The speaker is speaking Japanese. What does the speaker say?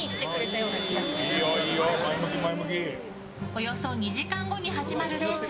およそ２時間後に始まるレース。